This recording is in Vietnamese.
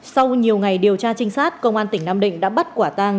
sau nhiều ngày điều tra trinh sát công an tỉnh nam định đã bắt quả tang